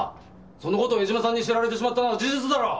その事を江島さんに知られてしまったのは事実だろ！